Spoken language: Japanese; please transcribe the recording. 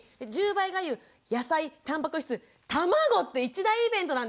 １０倍がゆ野菜たんぱく質卵って一大イベントなんですよね。